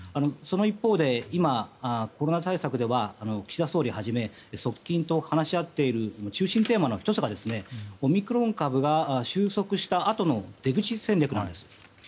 その一方で今、コロナ対策では岸田総理をはじめ側近と話し合っている中心テーマの１つがオミクロン株が収束したあとの出口戦略なんです。